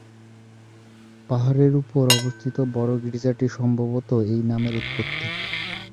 পাহাড়ের উপর অবস্থিত বড় গির্জাটি সম্ভবত এই নামের উৎপত্তি।